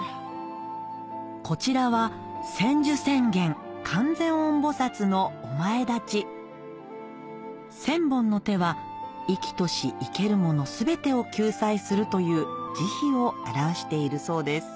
こちらは千本の手は生きとし生けるもの全てを救済するという慈悲を表しているそうです